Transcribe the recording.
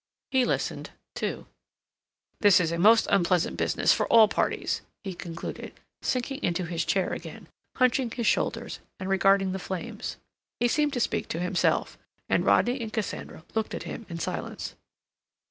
He listened, too. "This is a most unpleasant business for all parties," he concluded, sinking into his chair again, hunching his shoulders and regarding the flames. He seemed to speak to himself, and Rodney and Cassandra looked at him in silence.